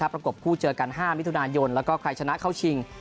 ประกบคู่เจอกัน๕มิถุนายนแล้วก็ใครชนะเข้าชิง